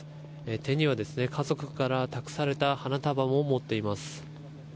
手には家族から託された花束も持っています。